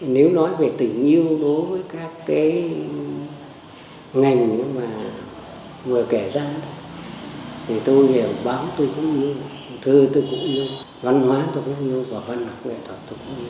nếu nói về tình yêu đối với các cái ngành mà vừa kể ra thì tôi hiểu báo tôi cũng yêu thơ tôi cũng yêu văn hóa tôi cũng yêu và văn hóa nghệ thuật tôi cũng yêu